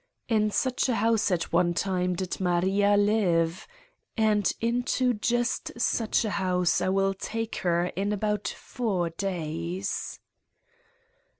In such a house, at one time, did Maria live, and into just such a house I will take her in about four days.